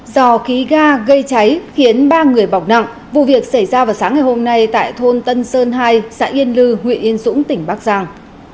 do khí ga gây cháy khiến ba người bỏng nặng vụ việc xảy ra vào sáng ngày hôm nay tại thôn tân sơn hai xã yên lư huyện yên dũng tỉnh bắc giang